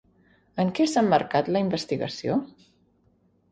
En què s'ha emmarcat la investigació?